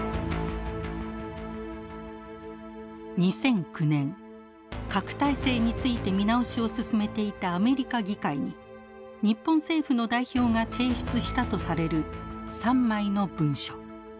２００９年核態勢について見直しを進めていたアメリカ議会に日本政府の代表が提出したとされる３枚の文書。